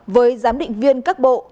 với giám định viên các bộ